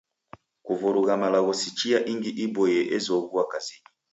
Kuvurugha malagho si chia ingi iboie ezoghua kazinyi.